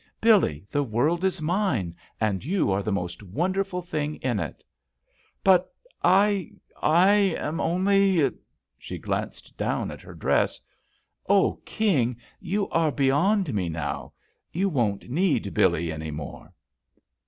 Billee, the world is mine, and you are the most wonder ful thing in it I" "But I — I am only —" she glanced down at her dress. "Oh, King, you are beyond me now. You won't need Billee any more."